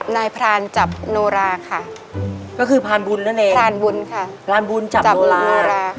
นายพรานจับโนราค่ะก็คือพรานบุญนั่นเองพรานบุญจับโนราค่ะ